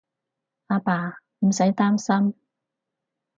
阿爸，唔使擔心